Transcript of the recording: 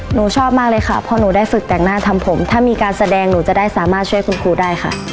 หนูชอบมากเลยค่ะเพราะหนูได้ฝึกแต่งหน้าทำผมถ้ามีการแสดงหนูจะได้สามารถช่วยคุณครูได้ค่ะ